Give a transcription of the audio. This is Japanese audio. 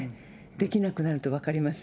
できなくなると分かります。